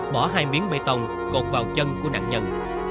bỏ hai miếng bê tông cột vào chân của nạn nhân